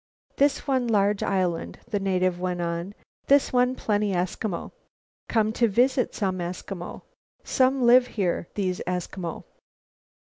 "This one large island," the native went on, "this one plenty Eskimo. Come to visit some Eskimo. Some live here, these Eskimo.